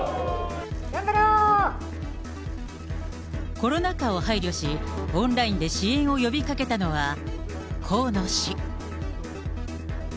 コロナ禍を配慮し、オンラインで支援を呼びかけたのは河野氏。